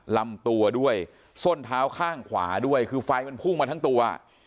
ลำตัวด้วยส้นเท้าข้างขวาด้วยคือไฟมันพุ่งมาทั้งตัว